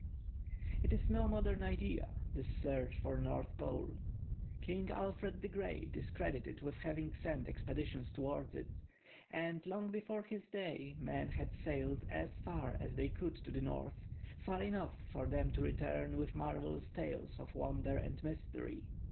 It is no modern idea, this search for the North Pole. King Alfred the Great is credited with having sent expeditions towards it, and long before his day men had sailed as far as they could to the North, far enough for them to return with marvellous tales of wonder and mystery.